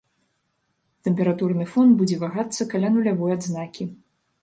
Тэмпературны фон будзе вагацца каля нулявой адзнакі.